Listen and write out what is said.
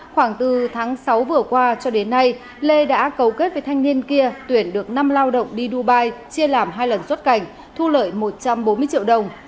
khoảng từ tháng sáu vừa qua cho đến nay lê đã cấu kết với thanh niên kia tuyển được năm lao động đi dubai chia làm hai lần xuất cảnh thu lợi một trăm bốn mươi triệu đồng